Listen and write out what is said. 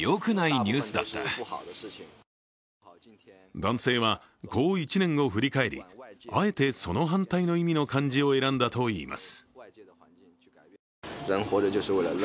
男性はこう１年を振り返りあえてその反対の意味の漢字を選んだといいます。